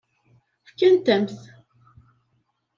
Fkant-am-t.